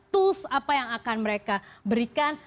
tools apa yang akan mereka berikan